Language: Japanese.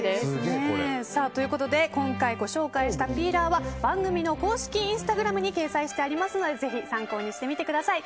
今回ご紹介したピーラーは番組の公式インスタグラムに掲載してありますのでぜひ参考にしてみてください。